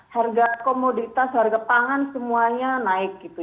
harga komoditas harga pangan semuanya naik gitu